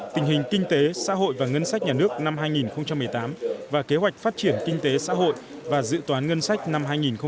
tình hình kinh tế xã hội và ngân sách nhà nước năm hai nghìn một mươi tám và kế hoạch phát triển kinh tế xã hội và dự toán ngân sách năm hai nghìn một mươi chín